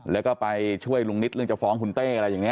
แล้วก็ไปช่วยลุงนิดเรื่องจะฟ้องคุณเต้อะไรอย่างนี้